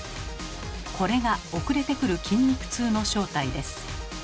これが遅れてくる筋肉痛の正体です。